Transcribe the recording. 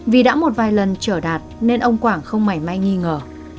vì đã một vài lần trở đạt nên ông quảng không mảy may nghi ngờ